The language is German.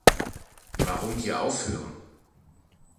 Warum hier aufhören?